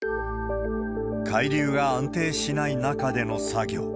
海流が安定しない中での作業。